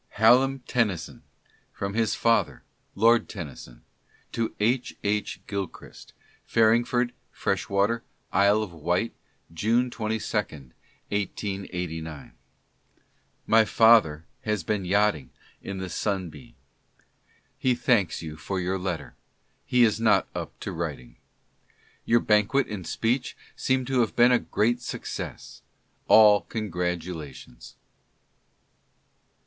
Hallam Tennyson— from his father, Lord Tennyson :( To H. H. Gilchrist): Farringford, Freshwater, Isle of Wight, June 22, 1889. My father has been yachting in the Sunbeam. He thanks you for your letter : he is not up to writing. Your banquet and speech seem to have been a great success. All congratulations.